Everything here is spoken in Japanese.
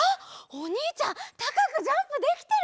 おにいちゃんたかくジャンプできてる！